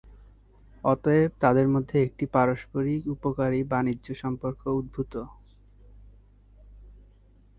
অতএব, তাদের মধ্যে একটি পারস্পরিক উপকারী বাণিজ্য সম্পর্ক উদ্ভূত।